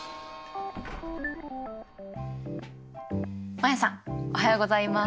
マヤさんおはようございます。